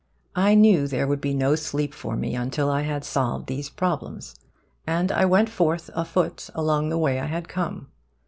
I knew there would be no sleep for me until I had solved these problems; and I went forth afoot along the way I had come.